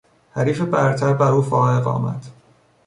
حریف برتر بر او فائق آمد.